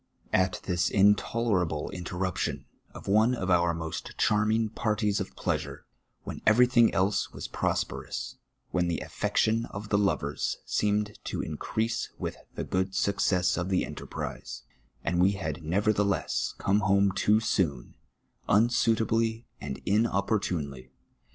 At this intolerable interruption of one of our most charming parties of pleasure, when everj'thing else was prosperous, when the affection of the lovers seemed to increase with the good success of the enterprise, a]id we had neverthe less come home too soon, unsuitably and inopportunely.